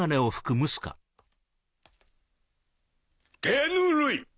手ぬるい！